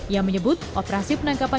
yang menyebut operasi penanggapan